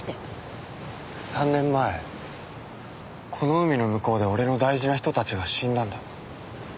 ３年前この海の向こうで俺の大事な人たちが死んだんだ。